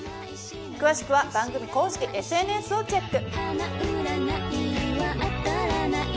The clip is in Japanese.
詳しくは番組公式ＳＮＳをチェック！